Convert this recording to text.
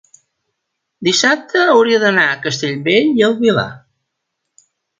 dissabte hauria d'anar a Castellbell i el Vilar.